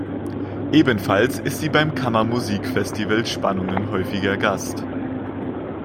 Ebenfalls ist sie beim Kammermusikfestival Spannungen häufiger Gast.